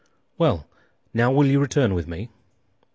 "Well; now will you return with me?"